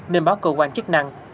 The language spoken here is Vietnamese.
nên báo cơ quan chức năng